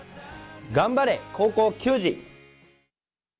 頑張れ、高校球児！